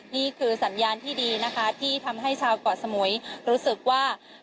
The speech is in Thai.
นี่คือสัญญาณที่ดีนะคะที่ทำให้ชาวเกาะสมุยรู้สึกว่า